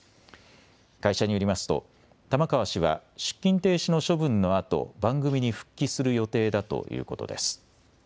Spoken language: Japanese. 会社によりますと玉川氏は出勤停止の処分のあと番組に復帰する予定だということです。